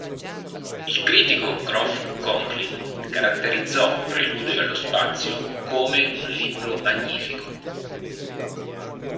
Il critico Groff Conklin caratterizzò "Preludio allo spazio" come "un libro magnifico".